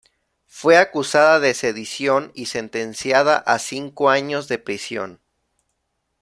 Fue acusada de sedición y sentenciada a cinco años de prisión.